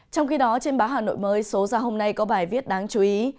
trong khi đó trên báo hà nội mới số ra hôm nay có bài viết đáng chú ý